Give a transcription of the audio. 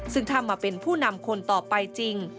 ซึ่งถ้ามาเป็นผู้นำคนต่อไปจริง